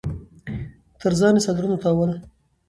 تر ځان د څادرنو تاوول